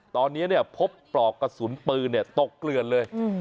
ตอนนี้เนี่ยพบปลอกกระสุนปืนเนี่ยตกเกลือนเลย